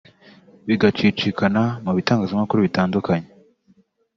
bigacicikana mu bitangazamakuru bitandukanye